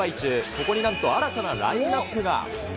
そこになんと新たなラインナップが。